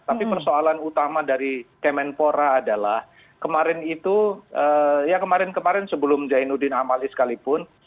tapi persoalan utama dari kemenpora adalah kemarin itu ya kemarin kemarin sebelum zainuddin amali sekalipun